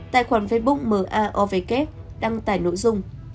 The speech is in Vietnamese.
tài khoản facebook maovk đăng tải nội dung